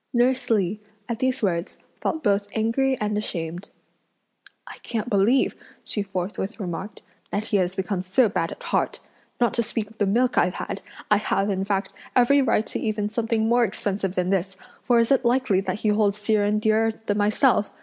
Nurse Li, at these words, felt both angry and ashamed. "I can't believe," she forthwith remarked, "that he has become so bad at heart! Not to speak of the milk I've had, I have, in fact every right to even something more expensive than this; for is it likely that he holds Hsi Jen dearer than myself?